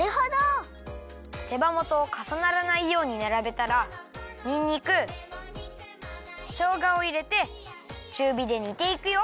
手羽元をかさならないようにならべたらにんにくしょうがをいれてちゅうびで煮ていくよ。